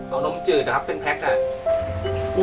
เอาน้ำจืดครับเป็นแพ็คได้